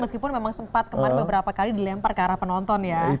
meskipun memang sempat kemarin beberapa kali dilempar ke arah penonton ya